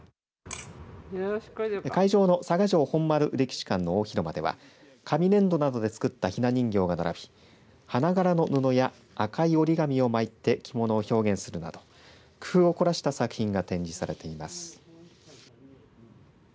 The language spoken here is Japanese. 会場の佐賀城本丸歴史館の大広間では紙粘土などで作ったひな人形が並び花柄の布や赤い折り紙を巻いて着物を表現するなど工夫をこらした作品が展示されています。